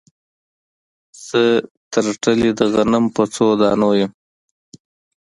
زه ترټلي د غنم په څو دانو یم